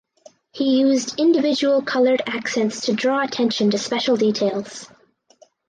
He used individual coloured accents to draw attention to special details.